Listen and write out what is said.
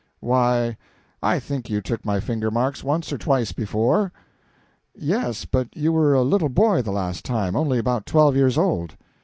"Why, I think you took my finger marks once or twice before." "Yes; but you were a little boy the last time, only about twelve years old."